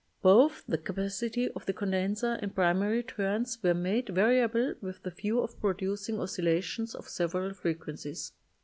Both the capacity of the condenser and primary turns were made variable with the view of producing oscillations of several frequencies.